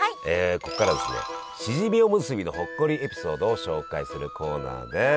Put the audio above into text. ここからですねしじみおむすびのほっこりエピソードを紹介するコーナーです！